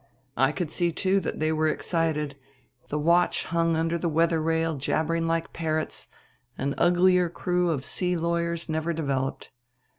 I could see, too, that they were excited; the watch hung under the weather rail jabbering like parrots; an uglier crew of sea lawyers never developed.